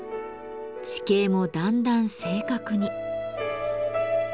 地形もだんだん正確に。